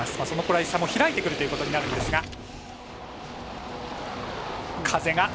そのくらい差も開いてくるということになるんですが。